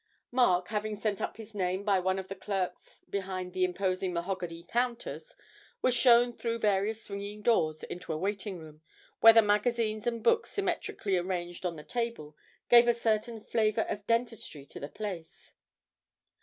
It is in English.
Mark, having sent up his name by one of the clerks behind the imposing mahogany counters, was shown through various swinging glass doors into a waiting room, where the magazines and books symmetrically arranged on the table gave a certain flavour of dentistry to the place.